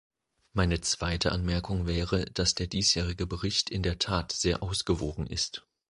Meine zweite Anmerkung wäre, dass der diesjährige Bericht in der Tat sehr ausgewogen ist.